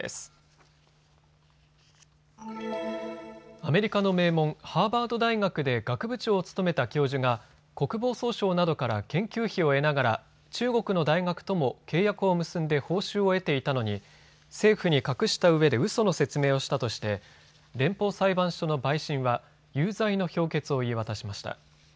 アメリカの名門、ハーバード大学で学部長を務めた教授が国防総省などから研究費を得ながら中国の大学とも契約を結んで報酬を得ていたのに政府に隠したうえでうその説明をしたとして連邦裁判所の陪審は有罪の評決を言い渡しました。